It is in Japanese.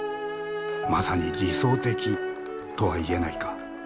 「まさに理想的」とは言えないか？